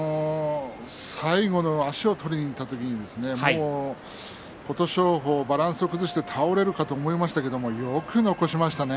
最後の足を取りにいった時に琴勝峰、バランスを崩して倒れるかと思いましたけれどもよく残しましたね。